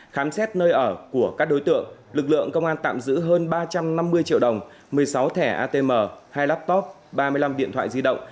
khám xét nơi ở của các đối tượng lực lượng công an tạm giữ hơn ba trăm năm mươi triệu đồng một mươi sáu thẻ atm hai laptop ba mươi năm điện thoại di động